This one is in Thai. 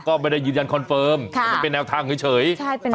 ก็ไม่ได้ยืนยันคอนเฟิร์มค่ะมันเป็นแนวทางเฉยเฉยใช่